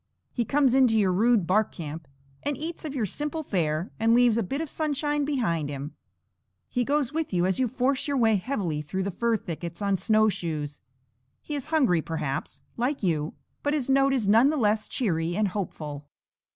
He comes into your rude bark camp, and eats of your simple fare, and leaves a bit of sunshine behind him. He goes with you, as you force your way heavily through the fir thickets on snowshoes. He is hungry, perhaps, like you, but his note is none the less cheery and hopeful.